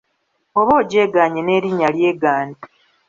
Oba ogyegaanye n'erinya lyegaane.